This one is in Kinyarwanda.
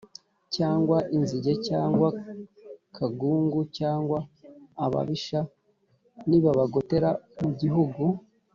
cyangwa inzige cyangwa kagungu; cyangwa ababisha nibabagotera mu gihugu